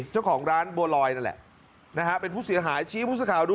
เจ้าของร้านบัวลอยนั่นแหละนะฮะเป็นผู้เสียหายชี้ผู้สื่อข่าวดู